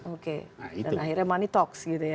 oke dan akhirnya money tox gitu ya